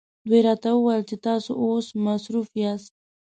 دوی راته وویل چې تاسو اوس مصروفه یاست.